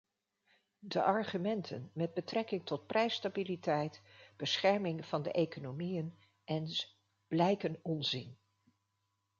De argumenten met betrekking tot prijsstabiliteit, bescherming van de economieën enz. blijken onzin.